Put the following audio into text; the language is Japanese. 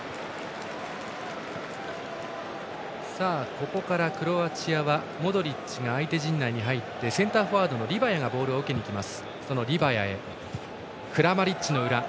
ここからクロアチアはモドリッチが相手陣内に入ってセンターフォワードのリバヤがボールを受けにいきます。